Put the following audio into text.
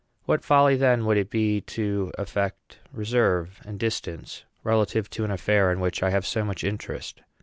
What folly, then, would it be to affect reserve and distance relative to an affair in which I have so much interest!